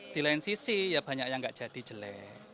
di lain sisi ya banyak yang nggak jadi jelek